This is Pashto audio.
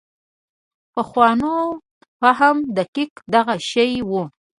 پخوانو فهم دقیقاً دغه شی و.